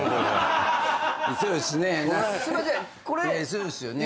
そうですね。